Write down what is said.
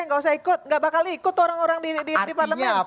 gak akan ikut orang orang di parlemen